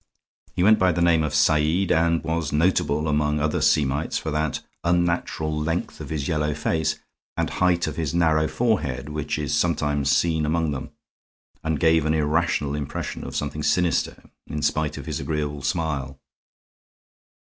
He went by the name of Said, and was notable among other Semites for that unnatural length of his yellow face and height of his narrow forehead which is sometimes seen among them, and gave an irrational impression of something sinister, in spite of his agreeable smile.